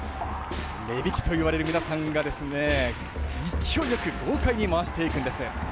根曳といわれる皆さんが、勢いよく豪快に回していくんです。